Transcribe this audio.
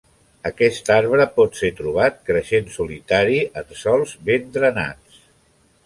Aquest arbre pot ser trobat creixent solitari en sòls ben drenats.